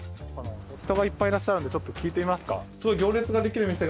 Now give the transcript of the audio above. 人がいっぱいいらっしゃるんでちょっと聞いてみますか。